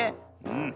うん。